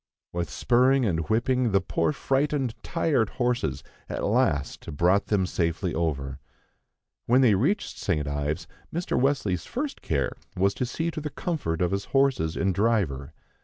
With spurring and whipping, the poor frightened, tired horses at last brought them safely over. When they reached St. Ives, Mr. Wesley's first care was to see to the comfort of his horses and driver.